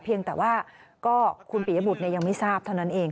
เพียงแต่ว่าก็คุณปียบุตรยังไม่ทราบเท่านั้นเอง